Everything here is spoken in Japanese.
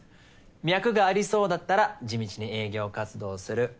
脈がありそうだったら地道に営業活動する。